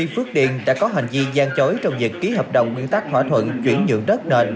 vì gian chối trong việc ký hợp đồng nguyên tác thỏa thuận chuyển nhượng đất nền